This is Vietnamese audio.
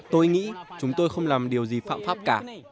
tôi nghĩ chúng tôi không làm điều gì phạm pháp cả